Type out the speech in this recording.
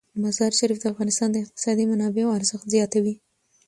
مزارشریف د افغانستان د اقتصادي منابعو ارزښت زیاتوي.